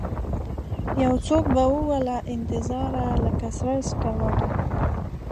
یوڅوک به ووله انتظاره لکه سره سکروټه